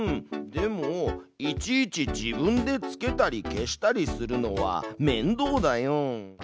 でもいちいち自分でつけたり消したりするのはめんどうだよ。